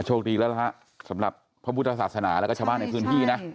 โชคดีแล้วนะฮะสำหรับพระพุทธศาสนาแล้วก็ชาวบ้านในพื้นที่นะ